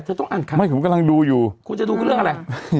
เธอต้องอ่านนะผมกำลังดูอยู่คุณจะดูคือเรื่องอะไร